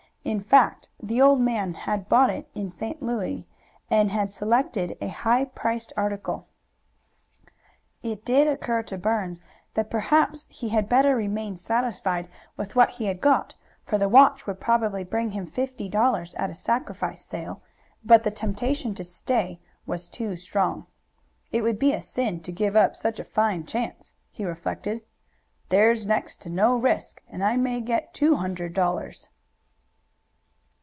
In fact, the old man had bought it in St. Louis, and had selected a high priced article. It did occur to Burns that perhaps he had better remain satisfied with what he had got, for the watch would probably bring him fifty dollars at a sacrifice sale; but the temptation to stay was too strong. "It would be a sin to give up such a fine chance," he reflected. "There's next to no risk, and I may get two hundred dollars."